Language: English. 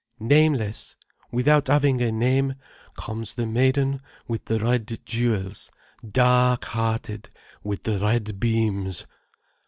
"Nameless, without having a name, comes the maiden with the red jewels, dark hearted, with the red beams.